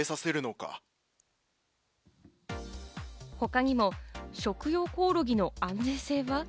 他にも食用コオロギの安全性は？